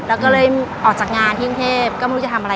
แล้วก็เลยออกจากงานที่กรุงเทพก็ไม่รู้จะทำอะไร